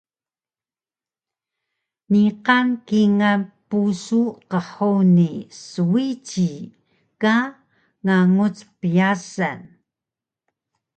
Niqan kingal pusu qhuni swiji ka nganguc pyasan